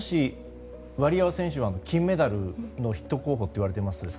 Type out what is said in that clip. ワリエワ選手は金メダルの筆頭候補と言われています。